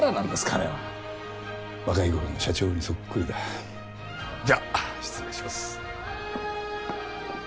彼は若い頃の社長にそっくりだじゃ失礼します